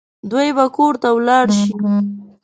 دوی به کور ته ولاړ شي